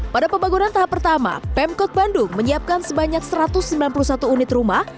pada pembangunan tahap pertama pemkot bandung menyiapkan sebanyak satu ratus sembilan puluh satu unit rumah